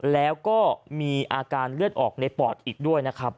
แล้วก็มีอาการเลือดออกในปอดอีกด้วยนะครับ